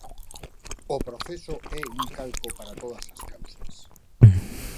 O proceso é un calco para todas as causas.